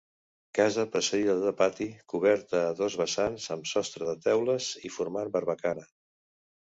Casa precedida de pati, coberta a dos vessants amb sostre de teules i formant barbacana.